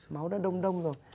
máu đã đông đông rồi